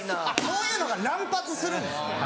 そういうのが乱発するんです。